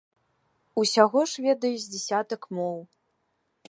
Усяго ж ведае з дзясятак моў.